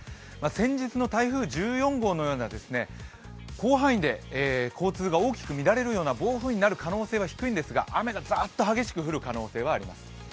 先日の台風１４号のような広範囲で交通が大きく乱れるような暴風雨になる可能性が低いんですが、雨がザッと激しく降る可能性はあります。